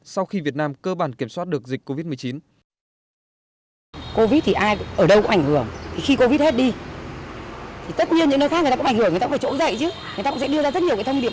sau khi việt nam cơ bản kiểm soát được dịch covid một mươi chín